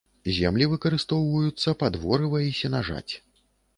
Землі выкарыстоўваюцца пад ворыва і сенажаць.